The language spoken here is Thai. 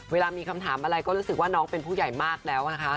เวลามีคำถามอะไรก็รู้สึกว่าน้องเป็นผู้ใหญ่มากแล้วนะคะ